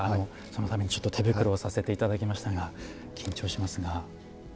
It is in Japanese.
そのためにちょっと手袋をさせて頂きましたが緊張しますが。